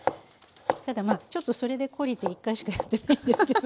ただまあちょっとそれで懲りて一回しかやってないんですけど。